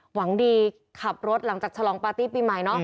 หวังดีขับรถหลังจากฉลองปาร์ตี้ปีใหม่เนาะ